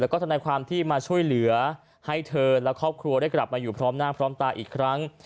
แล้วก็ทนายความที่มาช่วยเหลือให้เธอและครอบครัวได้กลับมาอยู่พร้อมหน้าพร้อมตาอีกครั้ง